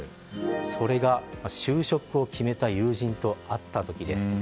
それが就職を決めた友人と会った時です。